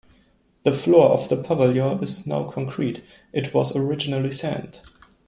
The floor of the pavilion is now concrete; it was originally sand.